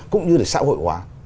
cũng như để xã hội hóa